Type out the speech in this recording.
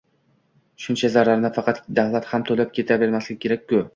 Shuncha zararni faqat davlat ham to‘lab ketavermasligi kerak-ku.